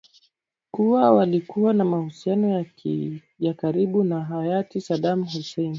kuwa walikuwa na mahusiano ya karibu na hayati sadaam hussein